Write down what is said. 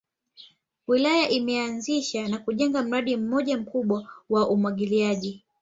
Wilaya imeanzisha na kujenga mradi mmoja mkubwa wa umwagiliaji